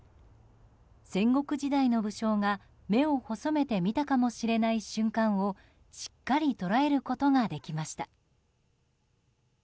戦国時代の武将が目を細めて見たかもしれない瞬間をしっかり捉えることができました。